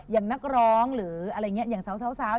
อย่างนักร้องหรืออะไรอย่างนี้อย่างสาว